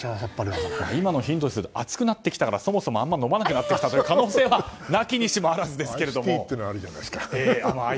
今の会話としては暑くなってきたからそもそもあんまり飲まなくなってきた可能性もなきにしもあらずですけど。